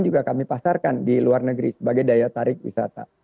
juga kami pasarkan di luar negeri sebagai daya tarik wisata